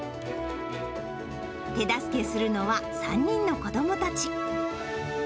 手助けするのは３人の子どもたち。